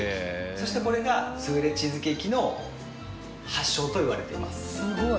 そしてこれがスフレチーズケーキの発祥といわれています。